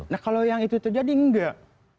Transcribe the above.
nah kalau yang itu terjadi enggak